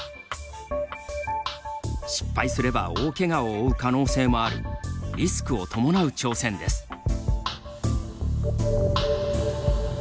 失敗すれば大けがを負う可能性もあるリスクを伴う挑戦です。